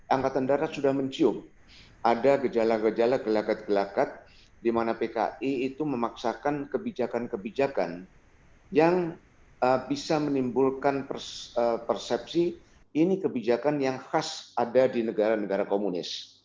angkatan darat sudah mencium ada gejala gejala gelagat gelakat di mana pki itu memaksakan kebijakan kebijakan yang bisa menimbulkan persepsi ini kebijakan yang khas ada di negara negara komunis